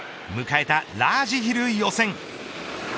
迎えたラージヒル予選。